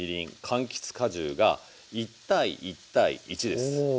かんきつ果汁が１：１：１です。